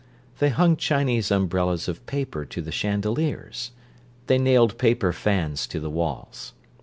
They hung Chinese umbrellas of paper to the chandeliers; they nailed paper fans to the walls.